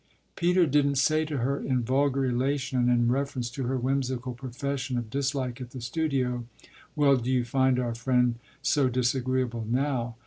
Peter didn't say to her in vulgar elation and in reference to her whimsical profession of dislike at the studio, "Well, do you find our friend so disagreeable now?"